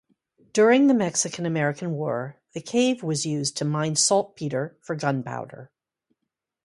During the Mexican-American War, the cave was used to mine saltpeter for gunpowder.